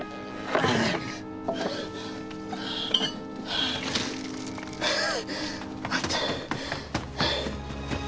ああ！